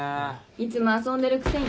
いつも遊んでるくせに。